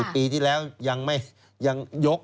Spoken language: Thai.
ปีที่แล้วยังยก